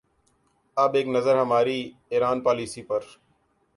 اب ایک نظر ہماری ایران پالیسی پر۔